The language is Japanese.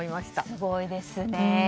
すごいですよね。